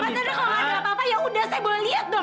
mas sandra kalau gak ada apa apa yaudah saya boleh lihat dong